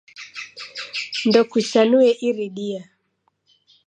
Ndokuchanue iridia.